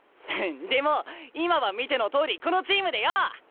ヘヘッでも今は見てのとおりこのチームでよ！